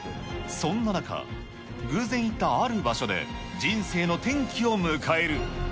そんな中、偶然行ったある場所で人生の転機を迎える。